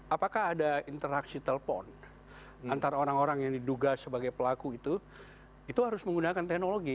apakah ada interaksi telepon antara orang orang yang diduga sebagai pelaku itu itu harus menggunakan teknologi